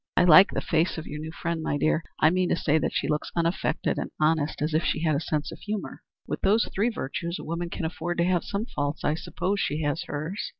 I like the face of your new friend, my dear. I mean to say that she looks unaffected and honest, and as if she had a sense of humor. With those three virtues a woman can afford to have some faults. I suppose she has hers."